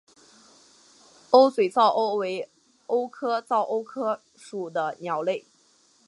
鸥嘴噪鸥为鸥科噪鸥属的鸟类。